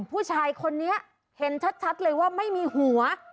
ผู้ชายคนนี้เห็นชัดเลยว่าไม่มีหัว